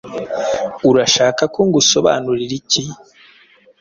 Urashaka ko ngusobanurira iki?